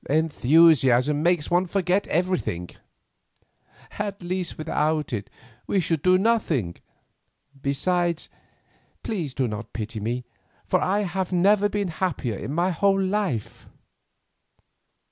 Enthusiasm makes one forget everything." "At least without it we should do nothing; besides, please do not pity me, for I have never been happier in my life."